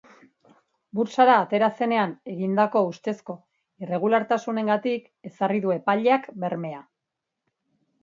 Burtsara atera zenean egindako ustezko irregulartasunengatik ezarri du epaileak bermea.